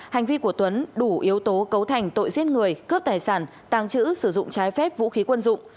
hành vi của tuấn đủ yếu tố cấu thành tội giết người cướp tài sản tàng trữ sử dụng trái phép vũ khí quân dụng